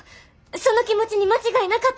その気持ちに間違いなかったんやないの？